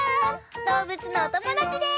どうぶつのおともだちです！